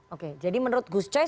oke jadi menurut gus coy